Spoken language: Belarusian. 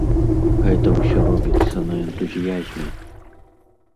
Гэта ўсё робіцца на энтузіязме!